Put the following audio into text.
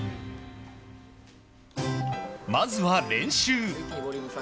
まずは練習。